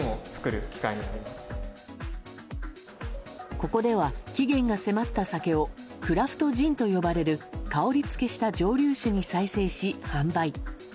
ここでは期限が迫った酒をクラフトジンと呼ばれる香り付けした蒸留酒に再生し販売。